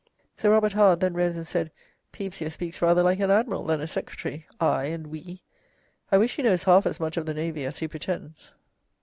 "Sir Robert Howard then rose and said, 'Pepys here speaks rather like an Admiral than a Secretary, "I" and "we." I wish he knows half as much of the Navy as he pretends.'"